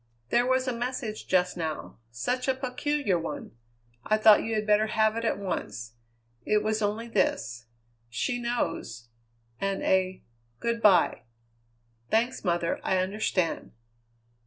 "There was a message just now. Such a peculiar one. I thought you had better have it at once. It was only this: 'She knows' and a 'good bye.'" "Thanks, mother. I understand."